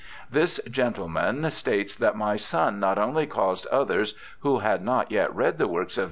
This gentleman states that my son not only caused others, who had not yet read the works of M.